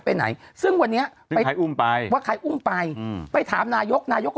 ไปไหนซึ่งวันนี้ไปใครอุ้มไปว่าใครอุ้มไปอืมไปไปถามนายกนายกก็